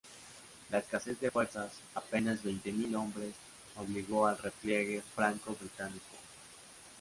La escasez de fuerzas —apenas veinte mil hombres— obligó al repliegue franco-británico.